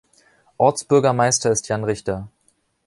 Ortsbürgermeister ist Jan Richter.